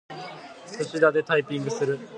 すしだでタイピングする。